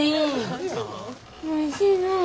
おいしいなぁ。